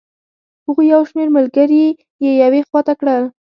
هغوی یو شمېر ملګري یې یوې خوا ته کړل.